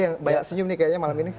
yang banyak senyum nih kayaknya malam ini